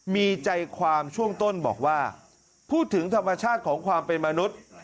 มีใจความช่วงต้นบอกว่าพูดถึงธรรมชาติของความเป็นมนุษย์